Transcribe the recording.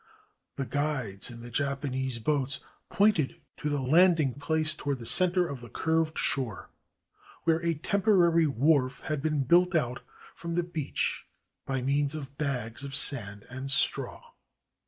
The guides in the Japanese boats pointed to the land ing place toward the center of the curved shore, where a temporary wharf had been built out from the beach by means of bags of sand and straw.